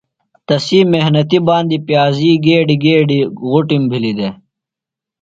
تسی محنتیۡ باندی پیزی گیڈیۡ گیڈیۡ غُٹِم بھلیۡ دےۡ۔